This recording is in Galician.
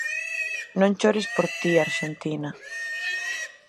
Non chores por ti Arxentina...